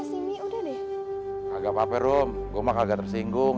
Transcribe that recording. sih ini udah deh agak paper room gua mah kagak tersinggung